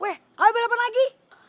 wih alih balapan lagi